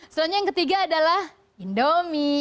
selanjutnya yang ketiga adalah indomie